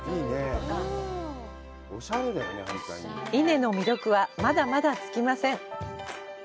伊根の魅力は、まだまだ尽きません。